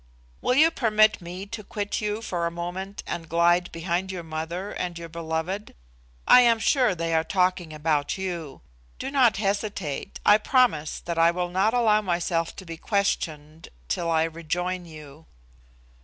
"Will you permit me to quit you for a moment and glide behind your mother and your beloved? I am sure they are talking about you. Do not hesitate. I promise that I will not allow myself to be questioned till I rejoin you."